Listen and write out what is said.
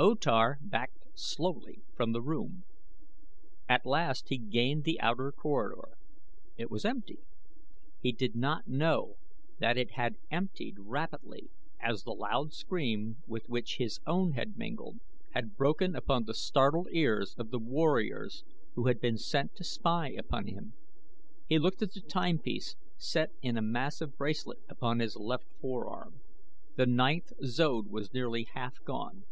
O Tar backed slowly from the room. At last he gained the outer corridor. It was empty. He did not know that it had emptied rapidly as the loud scream with which his own had mingled had broken upon the startled ears of the warriors who had been sent to spy upon him. He looked at the timepiece set in a massive bracelet upon his left forearm. The ninth zode was nearly half gone.